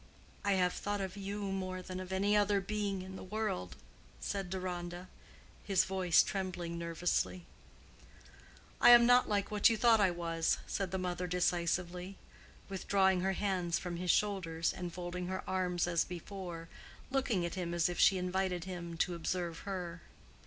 "I have thought of you more than of any other being in the world," said Deronda, his voice trembling nervously. "I am not like what you thought I was," said the mother decisively, withdrawing her hands from his shoulders, and folding her arms as before, looking at him as if she invited him to observe her.